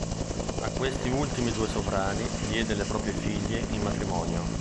A questi ultimi due sovrani diede le proprie figlie in matrimonio.